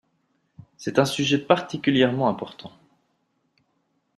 C’est un sujet particulièrement important.